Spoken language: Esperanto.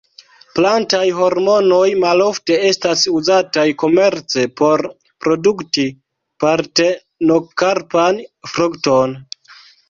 Plantaj hormonoj malofte estas uzataj komerce por produkti partenokarpan frukton.